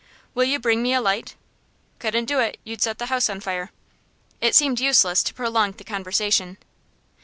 "Will you bring me a light?" "Couldn't do it. You'd set the house on fire." It seemed useless to prolong the conversation.